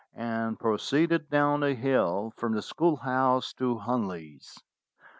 and proceeded down the hill from the schoolhouse to Hunley's.